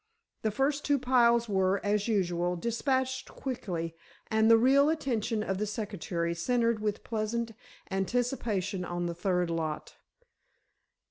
The first two piles were, as usual, dispatched quickly, and the real attention of the secretary centred with pleasant anticipation on the third lot.